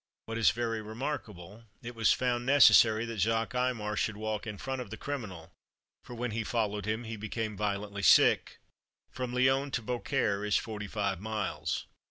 What is very remarkable, it was found necessary that Jacques Aymar should walk in front of the criminal, for when he followed him he became violently sick. From Lyons to Beaucaire is forty five miles.